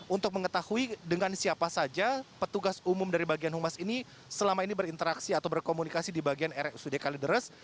untuk mengetahui dengan siapa saja petugas umum dari bagian humas ini selama ini berinteraksi atau berkomunikasi di bagian rsud kalideres